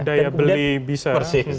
daya beli bisa